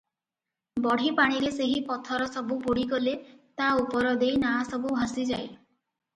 ବଢ଼ିପାଣିରେ ସେହି ପଥର ସବୁ ବୁଡ଼ିଗଲେ ତା ଉପର ଦେଇ ନାଆସବୁ ଭାସିଯାଏ ।